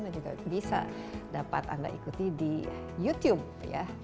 dan juga bisa dapat anda ikuti di youtube ya